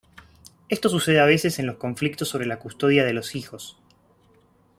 Esto sucede a veces en los conflictos sobre la custodia de los hijos.